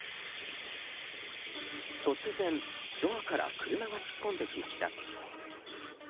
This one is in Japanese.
突然、ドアから車が突っ込んできました。